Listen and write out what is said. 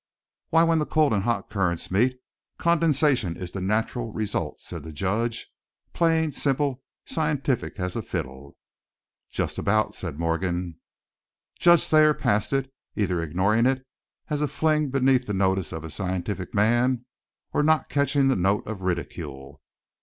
"Why, when the cold and the hot currents meet, condensation is the natural result," said the judge. "Plain, simple, scientific as a fiddle." "Just about," said Morgan. Judge Thayer passed it, either ignoring it as a fling beneath the notice of a scientific man, or not catching the note of ridicule.